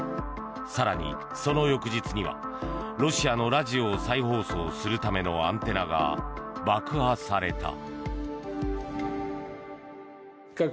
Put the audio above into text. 更に、その翌日にはロシアのラジオを再放送するためのアンテナが爆破された。